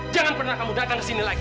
jangan pernah kamu datang ke sini lagi